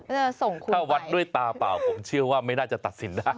จะส่งคุณถ้าวัดด้วยตาเปล่าผมเชื่อว่าไม่น่าจะตัดสินได้